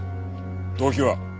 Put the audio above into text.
動機は？